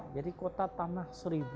jadi kota tanah seribu